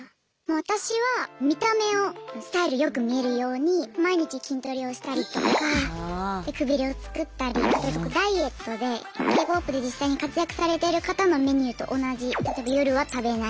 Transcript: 私は見た目をスタイルよく見えるように毎日筋トレをしたりとかくびれをつくったりダイエットでＫ−ＰＯＰで実際に活躍されている方のメニューと同じ例えば夜は食べない。